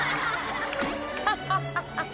「アハハハ」